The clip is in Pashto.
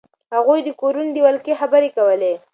هغوی د کورونو د ولکې خبرې کولې.